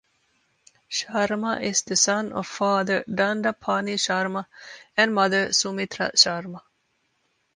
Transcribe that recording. Sharma is the son of father Danda Pani Sharma and mother Sumitra Sharma.